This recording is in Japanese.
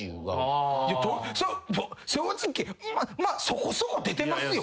正直そこそこ出てますよ。